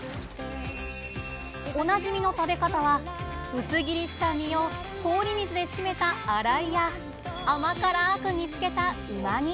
おなじみの食べ方は薄切りした身を氷水で締めた「洗い」や甘辛く煮つけた「うま煮」。